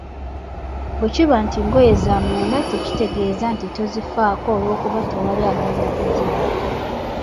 Bwe kiba nti ngoye za munda tekitegeeza nti tozifaako olw'okuba tewali agenda kuziraba!